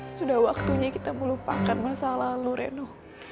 sudah waktunya kita melupakan masalah lu reno